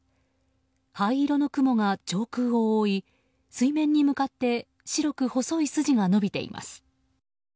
灰色の雲が上空を覆い水面に向かって白く細い筋が伸びています。